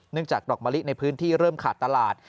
จากดอกมะลิในพื้นที่เริ่มขาดตลาด